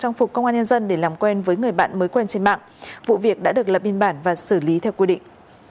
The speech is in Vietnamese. trang phục công an nhân dân để làm quen với người bạn mới quen trên mạng vụ việc đã được lập biên bản và xử lý theo quy định